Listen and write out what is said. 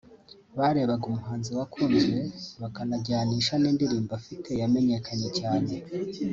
Barebaga umuhanzi wakunzwe bakanajyanisha n’indirimbo afite yamenyekanye cyane